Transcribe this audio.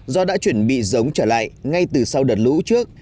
do đã chuẩn bị giống trở lại ngay từ sau đợt lũ trước